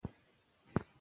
میرمنې نوم دی، چې په خپله